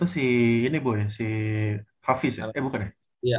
oh tujuh puluh satu si ini bu ya si hafiz ya eh bukan ya